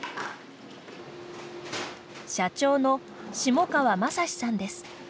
社長の下川雅史さんです。